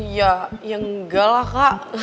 ya enggak lah kak